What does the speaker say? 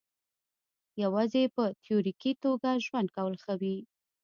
یوازې په تیوریکي توګه ژوند کول ښه وي.